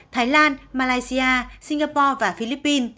thái lan malaysia singapore và philippines